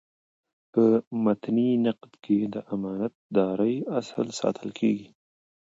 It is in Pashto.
په متني نقد کي د امانت دارۍاصل ساتل کیږي.